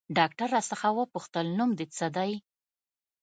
ډاکتر راڅخه وپوښتل نوم دې څه ديه.